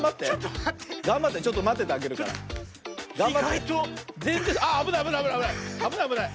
ああぶないあぶない！